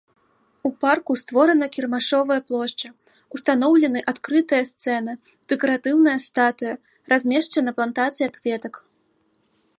У парку створана кірмашовая плошча, ўстаноўлены адкрытая сцэна, дэкаратыўная статуя, размешчана плантацыя кветак.